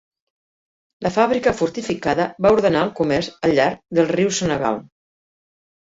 La fàbrica fortificada va ordenar el comerç al llarg del riu Senegal.